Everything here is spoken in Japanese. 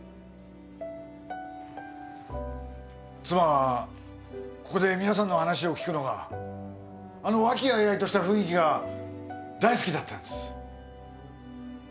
妻はここで皆さんの話を聞くのがあの和気あいあいとした雰囲気が大好きだったんです